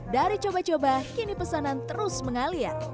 dari coba coba kini pesanan terus mengalir